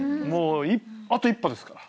あと一歩ですから。